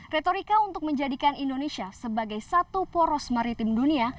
retorika untuk menjadikan indonesia sebagai satu poros maritim dunia